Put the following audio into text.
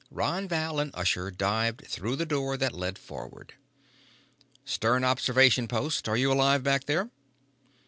Ron Val and Usher dived through the door that led forward. "Stern observation post. Are you alive back there?"